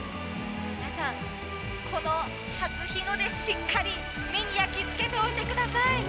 この初日の出、しっかり目に焼きつけておいてください。